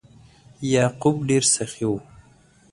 یعقوب ډیر سخي و.